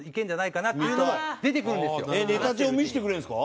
ネタ帳見せてくれるんですか？